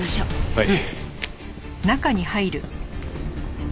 はい。